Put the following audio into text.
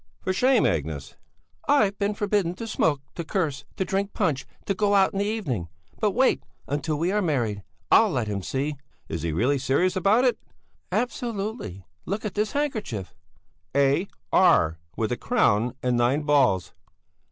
"For shame, Agnes!" "I've been forbidden to smoke, to curse, to drink punch, to go out in the evening! But wait until we are married! I'll let him see!" "Is he really serious about it?" "Absolutely! Look at this handkerchief!" "A. R. with a crown and nine balls."